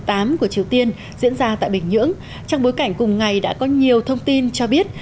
của triều tiên diễn ra tại bình nhưỡng trong bối cảnh cùng ngày đã có nhiều thông tin cho biết